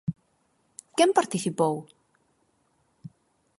¿Quen participou?